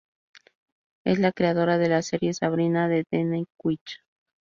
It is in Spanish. Es la creadora de la serie "Sabrina, the Teenage Witch".